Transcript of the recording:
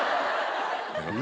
何？